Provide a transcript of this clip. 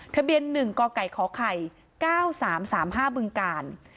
ทะเบียน๑กไก่ขไข่๙๓๓๕บึงกาล